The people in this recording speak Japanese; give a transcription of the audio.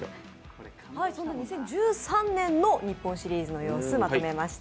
２０１３年の日本シリーズの様子まとめました。